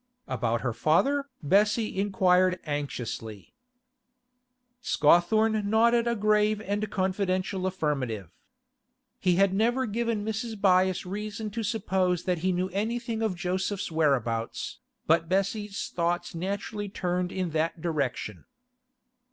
'About her father?' Bessie inquired anxiously. Scawthorne nodded a grave and confidential affirmative. He had never given Mrs. Byass reason to suppose that he knew anything of Joseph's whereabouts, but Bessie's thoughts naturally turned in that direction.